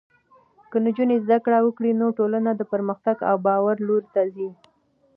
که نجونې زده کړه وکړي، نو ټولنه د پرمختګ او باور لور ته ځي.